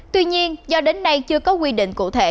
tuy nhiên do đến nay chưa có quy định cụ thể